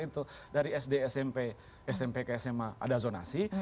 itu dari sd smp smp ke sma ada zonasi